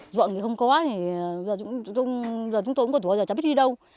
dọn thì không có giờ chúng tôi cũng không có thuộc giờ chẳng biết đi đâu